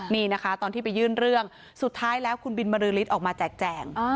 นี่นะคะตอนที่ไปยื่นเรื่องสุดท้ายแล้วคุณบินบริษฐ์ออกมาแจกแจ่ง